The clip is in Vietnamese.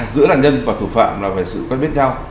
giữa nạn nhân và thủ phạm là về sự quen biết nhau